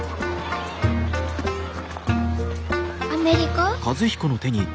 「アメリカ」？